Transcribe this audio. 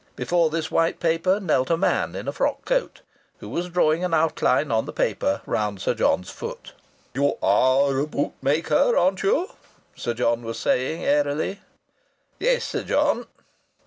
Before this white paper knelt a man in a frock coat who was drawing an outline on the paper round Sir John's foot. "You are a bootmaker, aren't you?" Sir John was saying airily. "Yes, Sir John."